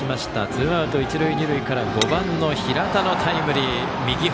ツーアウト、一塁二塁から５番、平田のタイムリー。